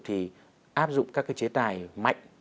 thì áp dụng các cái chế tài mạnh